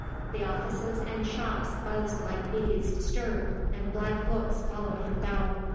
The offices and shops buzzed like bees disturbed and black looks followed him about.